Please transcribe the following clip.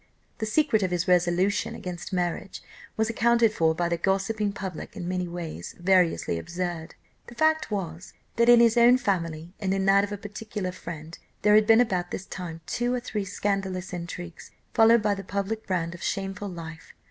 The secret of his resolution against marriage was accounted for by the gossiping public in many ways variously absurd. The fact was, that in his own family, and in that of a particular friend, there had been about this time two or three scandalous intrigues, followed by 'the public brand of shameful life.